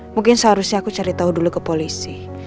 mungkin seharusnya aku cari tahu dulu ke polisi